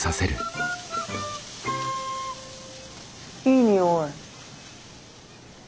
いい匂い。